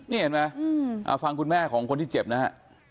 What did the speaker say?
นี่เห็นไหมฟังคุณแม่ของคนที่เจ็บนะฮะ